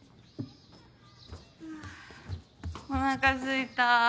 あおなかすいた。